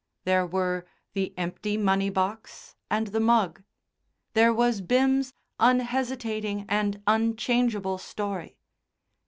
There were the empty money box and the mug. There was Bim's unhesitating and unchangeable story.